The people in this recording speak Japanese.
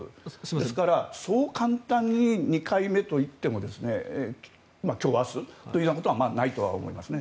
ですからそう簡単に２回目といっても今日明日ということはないと思うんですね。